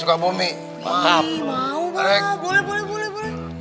mau mereka boleh boleh boleh